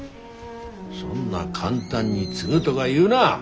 そんな簡単に継ぐどが言うな。